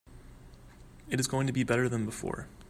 It is going to be better than before.